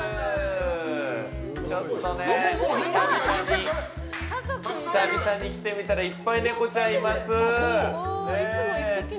ちょっとね、久々に来てみたらいっぱいネコちゃんいます！